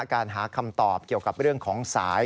การหาคำตอบเกี่ยวกับเรื่องของสาย